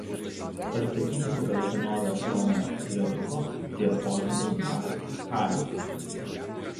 Pastatyti pagal Senovės Romos akveduko prie Pont du Gard pavyzdį.